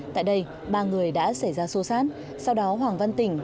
tại đây ba người đã xảy ra xô xát